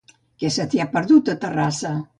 Què se t'hi ha perdut, a Terrassa?